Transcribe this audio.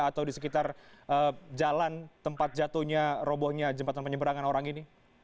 atau di sekitar jalan tempat jatuhnya robohnya jembatan penyeberangan orang ini